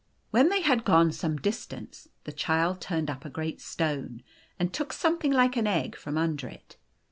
When they had gone some distance, the Child turned up a great stone, and took something like an egg from under it.